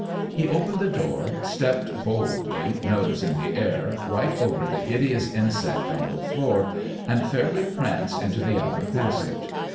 He opened the door, stepped boldly, nose in the air, right over the hideous insect on the floor, and fairly pranced into the outer passage.